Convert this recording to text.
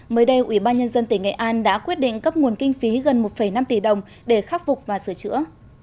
mới đây ủy ban nhân dân tỉnh nghệ an đã quyết định cấp nguồn kinh phí gần một năm tỷ đồng để khắc phục và sửa chữa